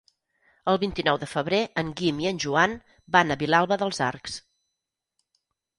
El vint-i-nou de febrer en Guim i en Joan van a Vilalba dels Arcs.